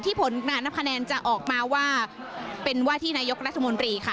ผลการนับคะแนนจะออกมาว่าเป็นว่าที่นายกรัฐมนตรีค่ะ